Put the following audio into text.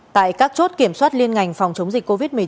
tại các chốt kiểm soát liên ngành phòng chống dịch covid một mươi chín